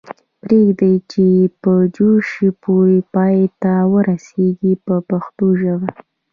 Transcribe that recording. پریږدئ چې یې په جوش پوره پای ته ورسیږي په پښتو ژبه.